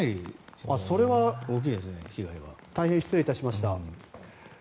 それは大変失礼いたしました。